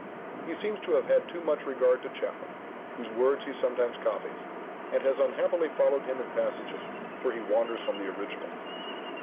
He seems to have had too much regard to Chapman, whose words he sometimes copies, and has unhappily followed him in passages where he wanders from the original.